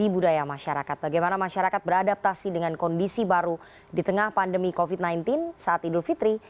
budaya masyarakat bagaimana masyarakat beradaptasi dengan kondisi baru di tengah pandemi covid sembilan belas saat idul fitri